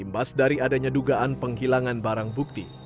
imbas dari adanya dugaan penghilangan barang bukti